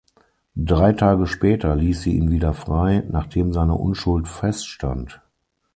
Drei Tage später ließ sie ihn wieder frei, nachdem seine Unschuld feststand.